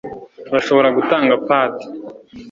turashobora gutanga pat